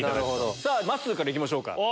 さぁまっすーからいきましょうか。